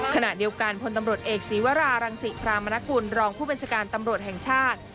ขณะเดียวกันพลตำรวจเอกศีวรารังศิพรามนกุลรองผู้บัญชาการตำรวจแห่งชาติ